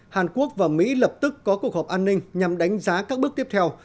hàn quốc và mỹ lập tức có cuộc họp an ninh nhằm đánh giá các bước tiếp theo